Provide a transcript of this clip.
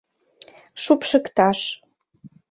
Шупшыкташ